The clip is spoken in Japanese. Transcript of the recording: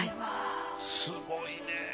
すごいね。